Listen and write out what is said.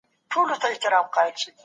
موږ تر ټاکلي وخت وروسته راورسېدو.